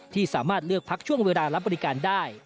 ที่สามารถเลือกพักช่วงเวลารับบริการได้